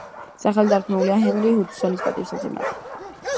სახელი დარქმეულია ჰენრი ჰუდსონის პატივსაცემად.